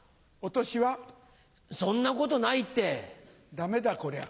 ダメだこりゃあ。